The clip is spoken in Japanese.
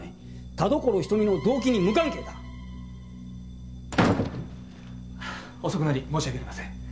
田所瞳の動機に無関係だ！遅くなり申し訳ありません。